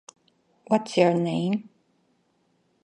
What's your name?